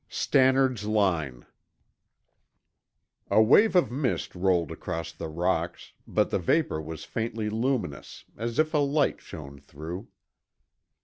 XXXI STANNARD'S LINE A wave of mist rolled across the rocks, but the vapor was faintly luminous, as if a light shone through.